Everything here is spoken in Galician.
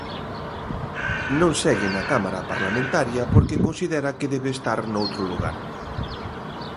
Non segue na Cámara parlamentaria porque considera que debe estar noutro lugar.